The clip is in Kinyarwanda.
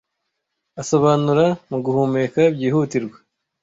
Asobanura muguhumeka byihutirwa